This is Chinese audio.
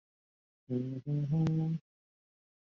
黑端管蚜为常蚜科藤蚜属下的一个种。